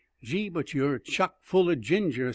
"Gee, but ye're chock full o' ginger!"